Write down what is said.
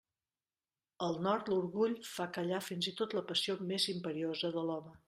Al Nord, l'orgull fa callar fins i tot la passió més imperiosa de l'home.